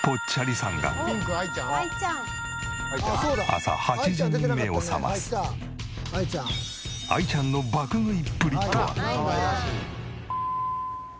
朝８時に目を覚ますあいちゃんの爆食いっぷりとは？